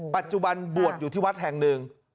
ปัจจุบันบวชอยู่ที่วัดแห่งหนึ่ง